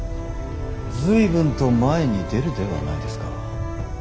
随分と前に出るではないですか。